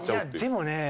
でもね